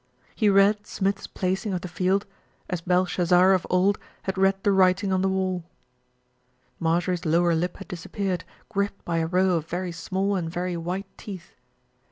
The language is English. He read Smith's placing of the field as Belshazzar of old had read the writing on the wall. Marjorie's lower lip had disappeared, gripped by a row of very small and very white teeth.